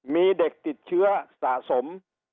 มีเด็กติดเชื้อสะสม